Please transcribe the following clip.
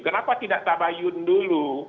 kenapa tidak tabayun dulu